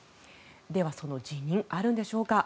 では、その辞任あるんでしょうか。